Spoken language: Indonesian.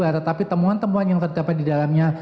tetapi temuan temuan yang terdapat di dalamnya